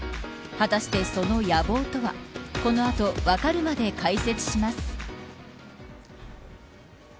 果たして、その野望とは。この後わかるまで解説します。